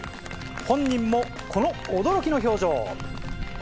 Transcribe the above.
本人もこの驚きの表情。